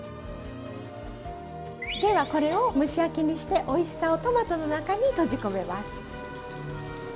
ではこれを蒸し焼きにしておいしさをトマトの中に閉じ込めます。